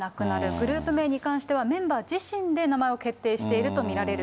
グループ名に関しては、メンバー自身で名前を決定していると見られる。